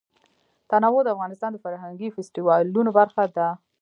تنوع د افغانستان د فرهنګي فستیوالونو برخه ده.